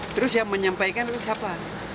terus yang menyampaikan itu siapa